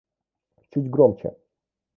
Чуть громче